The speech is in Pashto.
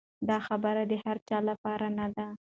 دا خبره د هر چا لپاره نه ده.